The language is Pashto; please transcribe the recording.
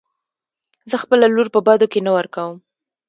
زه خپله لور په بدو کې نه ورکم .